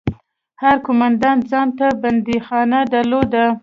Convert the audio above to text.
هر قومندان ځان ته بنديخانه درلوده.